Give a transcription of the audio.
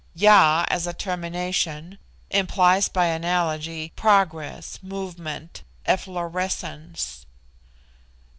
Ya, as a termination, implies by analogy, progress, movement, efflorescence.